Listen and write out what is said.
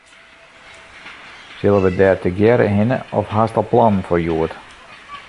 Sille we dêr tegearre hinne of hast al plannen foar hjoed?